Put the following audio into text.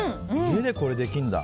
家でこれができるんだ。